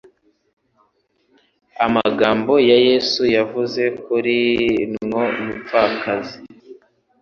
Amagambo ya Yesu yavuze kuri nwo mupfakazi,